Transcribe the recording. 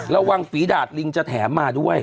ระวังฝีดาตรลิงจะแถมมาด้วย